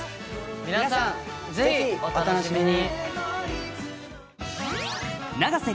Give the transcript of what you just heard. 皆さんぜひお楽しみに。